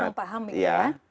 terlalu paham ya